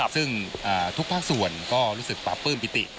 ซึ่งทุกภาคส่วนก็รู้สึกปราบปื้มปิติ